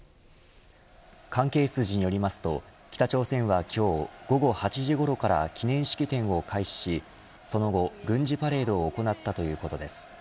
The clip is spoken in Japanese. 関係筋によりますと北朝鮮は今日午後８時ごろから記念式典を開始しその後、軍事パレードを行ったということです。